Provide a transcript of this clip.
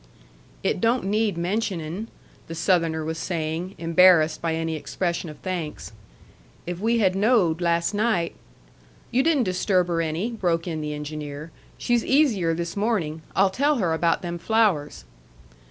"It don't need mentioning," the Southerner was saying, embarrassed by any expression of thanks. "If we had knowed last night " "You didn't disturb her any," broke in the engineer. "She's easier this morning. I'll tell her about them flowers."